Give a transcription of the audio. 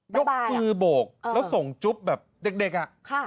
ยกมือโบกแล้วส่งจุ๊บแบบเด็กอ่ะ